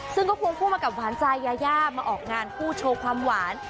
ซึ่งเหมือนจะมากับวานจายอย่าย่าออกงานคู่โชว์ความหวาน